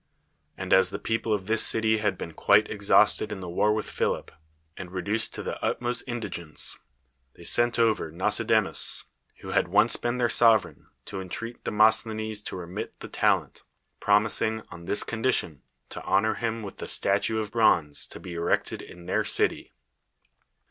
And as the people of this city had been quite exhausted in the war with Philip, and reduced to the utm.ost indigence, they sent over Gnosidemus, who had once been their sovereign, to entreat Demosthenes to remit the talent, promising, on this condition, to honor him with a statue of bronze, to be erected in their city.